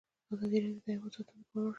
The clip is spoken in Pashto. ازادي راډیو د حیوان ساتنه ته پام اړولی.